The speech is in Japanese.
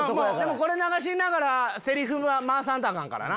これ流しながらセリフは回さんとアカンからな。